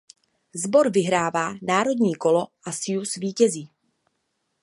Sbor vyhrává národní kolo a Sue vítězí.